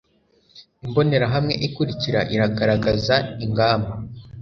imbonerahamwe ikurikira iragaragaza ingamba